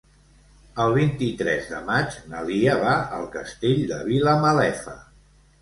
El vint-i-tres de maig na Lia va al Castell de Vilamalefa.